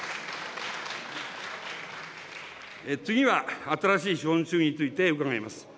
次は、新しい資本主義について伺います。